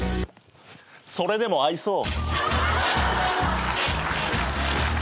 それでも愛そう。